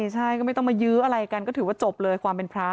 ใช่ก็ไม่ต้องมายื้ออะไรกันก็ถือว่าจบเลยความเป็นพระ